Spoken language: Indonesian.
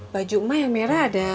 baju ema yang merah ada